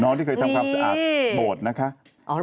น้องที่เคยทำความสะอาดโบ๊ตนะครับ